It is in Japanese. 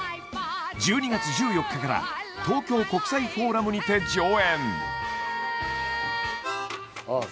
１２月１４日から東京国際フォーラムにて上演ああ